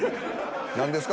何ですか？